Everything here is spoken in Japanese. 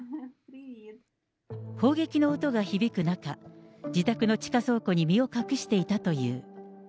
砲撃の音が響く中、自宅の地下倉庫に身を隠していたという。